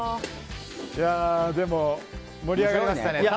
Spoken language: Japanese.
でも盛り上がりましたね。